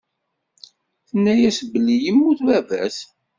Tenna-yas belli yemmut baba-s.